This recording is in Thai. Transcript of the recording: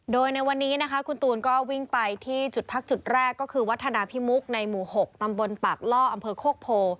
โดยในวันนี้นะคะคุณตูนก็วิ่งไปที่จุดพักจุดแรกก็คือวัฒนาพิมุกในหมู่๖ตำบลปากล่ออำเภอโคกโพ